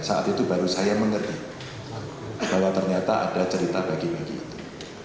saat itu baru saya mengerti bahwa ternyata ada cerita bagi bagi itu